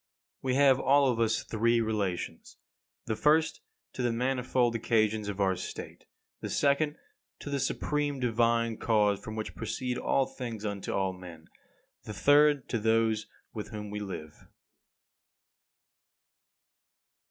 27. We have all of us three relations: the first to the manifold occasions of our state; the second to the supreme divine cause from which proceed all things unto all men; the third to those with whom we live.